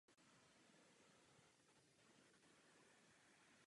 Za Gfässerů proběhla ve druhé polovině osmnáctého století další přestavba.